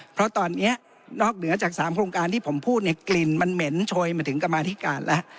เพราะตอนนี้นอกเหนือจาก๓โครงการที่ผมพูดเนี่ยกลิ่นมันเหม็นโชยมาถึงกรรมาธิการแล้ว